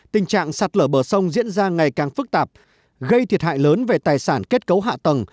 tình trạng sạt lở bờ sông diễn ra ngày càng phức tạp gây thiệt hại lớn về tài sản kết cấu hạ tầng